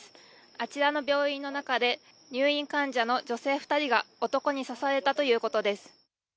あちらの病院の中で入院患者の女性２人が男に刺されたということです。